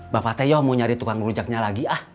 bapak teh yuk mau nyari tukang rojaknya lagi ah